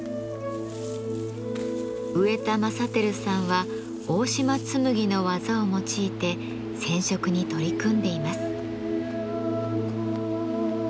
植田正輝さんは大島紬の技を用いて染色に取り組んでいます。